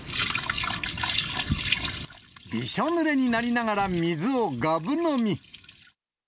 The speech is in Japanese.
びしょぬれになりながら水をがぶ飲み。